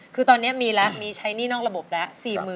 คือตอนนี้มีแล้วมีใช้หนี้นอกระบบแล้ว